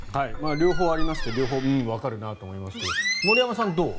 両方ありまして両方わかるなと思いますが森山さん、どう？